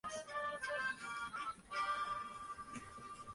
Esta provincia estuvo habitada en tiempos de los celtas.